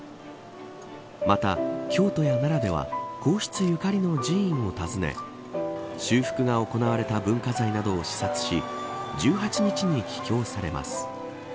また、京都や奈良では皇室ゆかりの寺院を訪ね修復が行われた文化財などを視察し１８日に帰京されます。